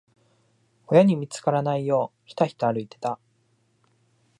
親に見つからないよう、ひたひた歩いてた。